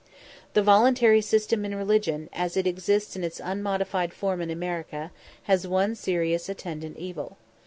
The voluntary system in religion, as it exists in its unmodified form in America, has one serious attendant evil.